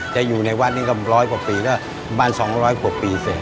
จะอยู่ในวัดนี้ก็ร้อยกว่าปีแล้วบ้าน๒๐๐กว่าปีเสร็จ